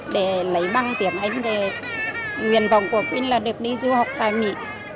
để lấy băng tiền anh nguyện vọng của quynh là được đi du học tại mỹ